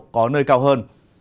có nơi cao hơn